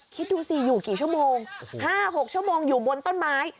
คิดดูสิอยู่กี่ชั่วโมง๕๖ชั่วโมงอยู่บนต้นไม้